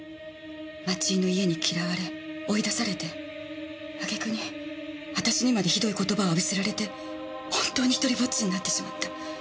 町井の家に嫌われ追い出されてあげくに私にまでひどい言葉を浴びせられて本当に１人ぼっちになってしまった。